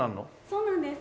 そうなんです。